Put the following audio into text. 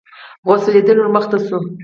غوث الدين ورمخته شو.